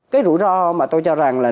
cái rủi ro mà tôi cho rằng là